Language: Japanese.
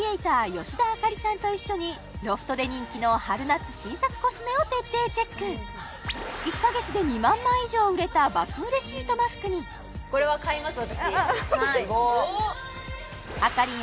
吉田朱里さんと一緒にロフトで人気の春夏新作コスメを徹底チェック１か月で２万枚以上売れた爆売れシートマスクにアカリン